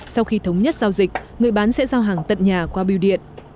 sau khi thống nhất giao dịch người bán sẽ giao hàng tận nhà qua biêu điện